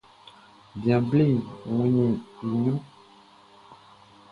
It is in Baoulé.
Bian bleʼn wunnin i ɲrunʼn.